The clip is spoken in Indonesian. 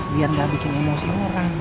biar gak bikin emosi orang